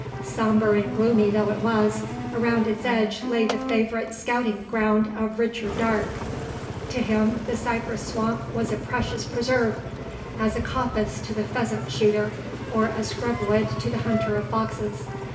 Sombre and gloomy though it was, around its edge lay the favourite scouting ground of Richard Darke. To him the cypress swamp was a precious preserve as a coppice to the pheasant shooter, or a scrub wood to the hunter of foxes.